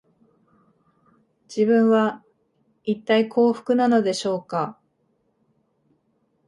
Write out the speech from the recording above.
自分は、いったい幸福なのでしょうか